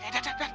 dar dar dar